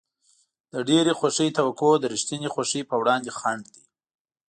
د ډېرې خوښۍ توقع د رښتینې خوښۍ په وړاندې خنډ دی.